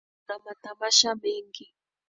Leo kuna matamasha mengi.